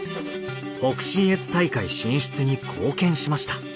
北信越大会進出に貢献しました。